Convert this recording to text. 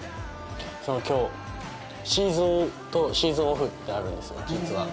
その今日シーズンとシーズンオフってあるんですよ実は。